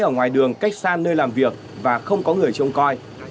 ở ngoài đường cách xa nơi làm việc và không có người trộm còi